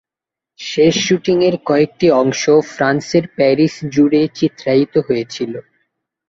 শেষ শুটিং এর কয়েকটি অংশ ফ্রান্সের প্যারিস জুড়ে চিত্রায়িত হয়েছিল।